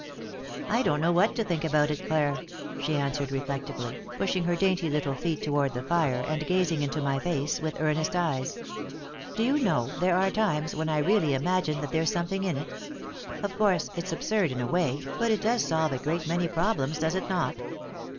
"I don't know what to think about it, Clare," she answered, reflectively, pushing her dainty little feet toward the fire and gazing into my face with earnest eyes. "Do you know, there are times when I really imagine that there's something in it! Of course, it's absurd in a way, but it does solve a great many problems, does it not?